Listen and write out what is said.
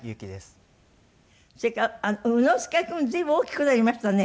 それからあっ宇之介君随分大きくなりましたね。